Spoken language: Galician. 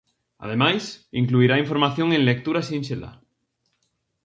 Ademais, incluirá información en lectura sinxela.